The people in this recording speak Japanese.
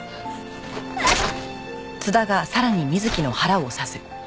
うっ。